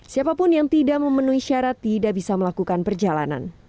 siapapun yang tidak memenuhi syarat tidak bisa melakukan perjalanan